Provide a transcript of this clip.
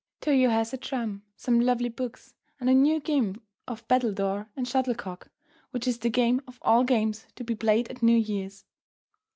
Toyo has a drum, some lovely books and a new game of battledore and shuttlecock, which is the game of all games to be played at New Year's.